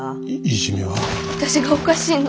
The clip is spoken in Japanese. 私がおかしいの。